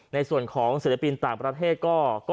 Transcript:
ในส่วนของศิลปินต่างประเทศก็